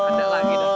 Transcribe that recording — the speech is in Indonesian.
ada lagi dong